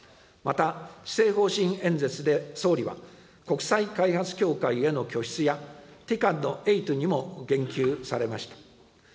また施政方針演説で総理は、国際開発協会への拠出や、ＴＩＣＡＤ８にも言及されました。